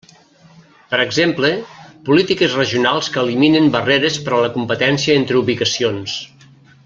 Per exemple, polítiques regionals que eliminen barreres per a la competència entre ubicacions.